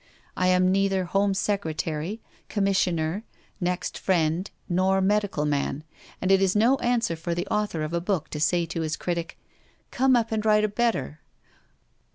I am neither Home Secretary, Commissioner, next friend, nor medical man; and it is no answer for the author of a book to say to his critic, 'Come up and write a better.'